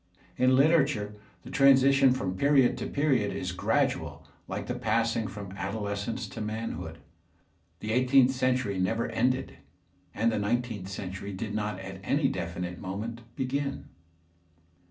In Uterature the transition from period to period is gradual like the passing from adolescence to manhood; the eighteenth centuiy never ended, and the nineteenth century did not at any definite moment b^in.